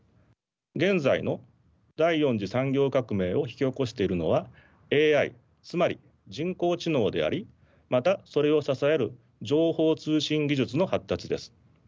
現在の第４次産業革命を引き起こしているのはＡＩつまり人工知能でありまたそれを支える情報通信技術の発達です。